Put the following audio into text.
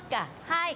はい。